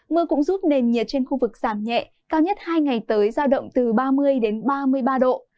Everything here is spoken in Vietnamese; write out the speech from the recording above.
mưa cũng giúp nền nhiệt trên khu vực giảm nhẹ cao nhất hai ngày tới giao động từ ba mươi đến ba mươi ba độ